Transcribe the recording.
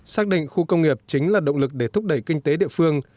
xác định khu công nghiệp chính là động lực để thúc đẩy kinh tế địa phương